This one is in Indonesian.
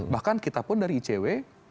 bahkan kita pun dari icw